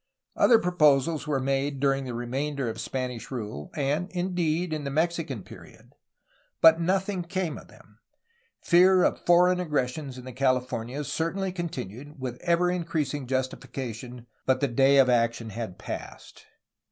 Other proposals were made during the remainder of Spanish rule and, indeed, in the Mexican period, but nothing came of them. Fear of foreign aggressions in the Californias certainly continued, with ever increasing justification, but the day of action had passed.